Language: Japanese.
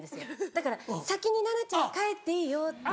だから「先に奈々ちゃん帰っていいよ」って。